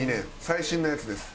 最新のやつです。